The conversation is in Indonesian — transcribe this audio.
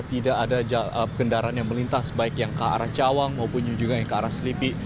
tidak ada kendaraan yang melintas baik yang ke arah cawang maupun juga yang ke arah selipi